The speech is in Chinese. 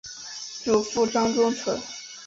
祖父张宗纯。